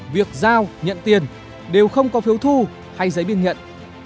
việc giao nhận tiền đều không có phiếu thu hay giấy biên nhận